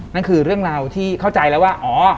นั่นคือเรื่องราวที่เข้าใจแล้วว่าอ๋อ